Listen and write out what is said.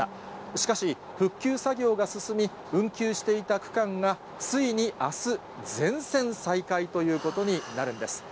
しかし、復旧作業が進み、運休していた区間が、ついにあす、全線再開ということになるんです。